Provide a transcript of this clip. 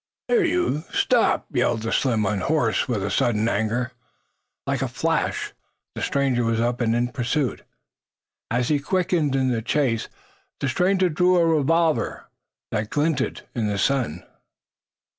"Here you stop!" yelled the slim one, hoarse with sudden anger. Like a flash the stranger was up and in pursuit. As he quickened in the chase this stranger drew a revolver that glinted in the sun.